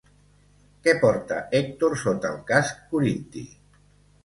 Què porta Hèctor sota el casc corinti?